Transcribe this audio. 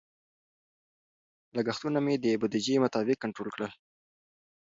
لګښتونه مې د بودیجې مطابق کنټرول کړل.